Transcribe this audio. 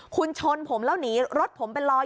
คุณชนผมแล้วหนีรถผมเป็นรอย